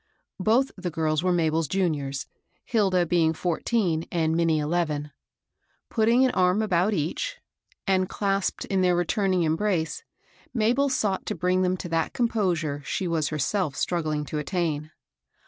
Both the girls were Ma bel's juniors, Hilda being fourteen, and Minnie eleven. Putting an arm about each, and clasped in their returning embrace, Mabel sought to bring them COUSIN AJLGIN. 13 to that composure, she was herself struggling to attain.